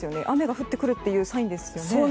雨が降ってくるというサインですよね？